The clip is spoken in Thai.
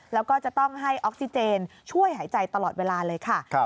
แล้วก็จะต้องให้ออกซิเจนช่วยหายใจตลอดเวลาเลยค่ะ